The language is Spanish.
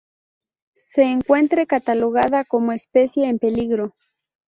Se encuentre catalogada como especie en peligro.